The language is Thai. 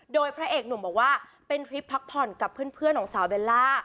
โดยพระเอกหนุ่มบอกว่าเป็นทริปพักผ่อนกับเพื่อนของสาวเบลล่า